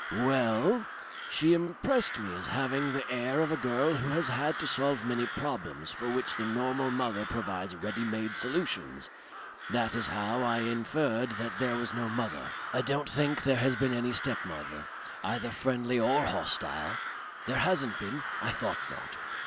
Well She impressed me as having the air of a girl who has had to solve many problems for which the normal mother provides ready made solutions. That is how I inferred that there was no mother. I don't think there has been any stepmother, either friendly or hostile? There hasn't been. I thought not.